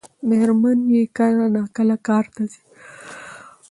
مېرمن یې کله ناکله کار ته ځي.